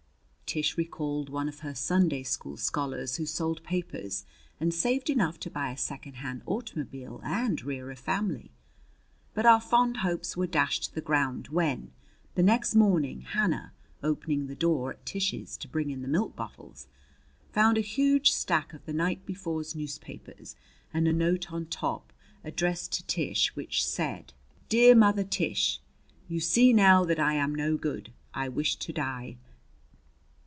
Tish recalled one of her Sunday school scholars who sold papers and saved enough to buy a second hand automobile and rear a family. But our fond hopes were dashed to the ground when, the next morning, Hannah, opening the door at Tish's to bring in the milk bottles, found a huge stack of the night before's newspapers and a note on top addressed to Tish, which said: Deer Mother Tish: You see now that I am no good. I wish to die!